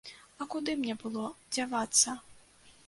А куды мне было дзявацца?